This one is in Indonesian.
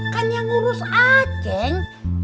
kan yang urus aceng